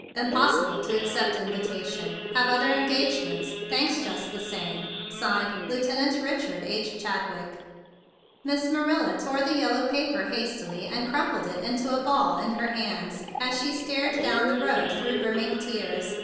" Impossible to accept invitation. Have other engagements. Thanks just the same. "(Signed) Lieutenant Richard H. Chadwick." Miss Marilla tore the yellow paper hastily, and crumpled it into a ball in her hands as she stared down the road through brimming tears.